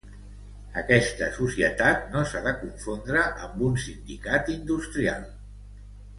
Aquesta societat no s'ha de confondre amb un sindicat industrial.